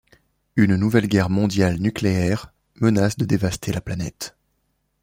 Une nouvelle guerre mondiale nucléaire menace de dévaster la planète.